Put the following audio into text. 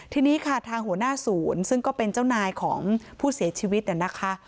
ทีนี้ค่ะทางหัวหน้าศูนย์ซึ่งก็เป็นเจ้านายของผู้เสียชีวิตเนี่ยนะคะ